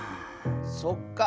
そっか。